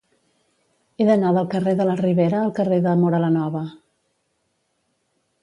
He d'anar del carrer de la Ribera al carrer de Móra la Nova.